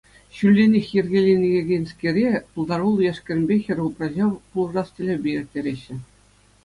Ҫулленех йӗркеленекенскере пултаруллӑ яш-кӗрӗмпе хӗр-упраҫа пулӑшас тӗллевпе ирттереҫҫӗ.